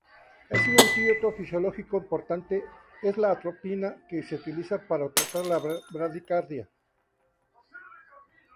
Un antídoto fisiológico importante es la atropina, que se utiliza para tratar la bradicardia.